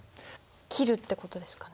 切るってことですかね？